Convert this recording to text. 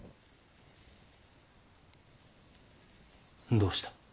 どうした？